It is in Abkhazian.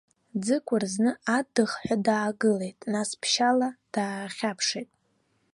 Ӡыкәыр зны адыхҳәа даагылеит, нас ԥшьаала даахьаԥшит.